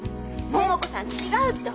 桃子さん違うって！